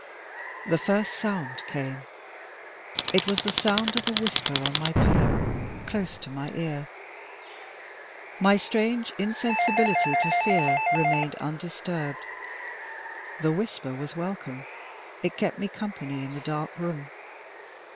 The first sound came. It was the sound of a whisper on my pillow, close to my ear. My strange insensibility to fear remained undisturbed. The whisper was welcome, it kept me company in the dark room.